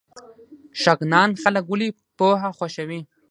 شغنان خلک ولې پوهه خوښوي؟